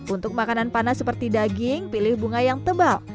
untuk makanan panas seperti daging pilih bunga yang tebal